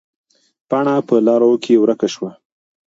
پاڼه په لارو کې ورکه شوه.